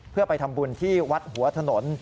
เพื่อไปทำบุญที่วัดหัวถนน